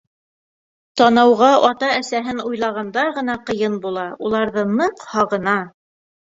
Танауға ата-әсәһен уйлағанда ғына ҡыйын була, уларҙы ныҡ һағына.